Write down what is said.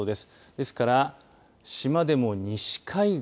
ですから、島でも西海岸